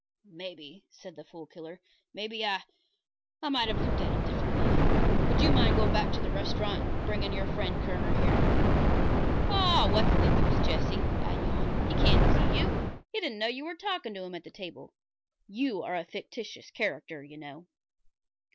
"Maybe," said the Fool Killer "maybe I I might have looked at it differently. Would you mind going back to the restaurant and bringing your friend Kerner here?" "Oh, what's the use, Jesse," I yawned. "He can't see you. He didn't know you were talking to him at the table, You are a fictitious character, you know."